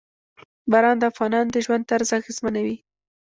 باران د افغانانو د ژوند طرز اغېزمنوي.